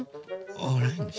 オーレンジ！